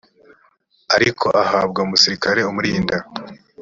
ariko ahabwa umusirikare umurinda